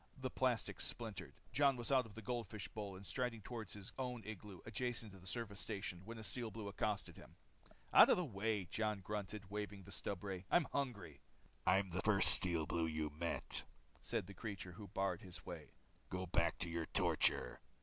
The plastic splintered. Jon was out of his goldfish bowl and striding toward his own igloo adjacent to the service station when a Steel Blue accosted him. "Out of my way," grunted Jon, waving the stubray. "I'm hungry." "I'm the first Steel Blue you met," said the creature who barred his way. "Go back to your torture."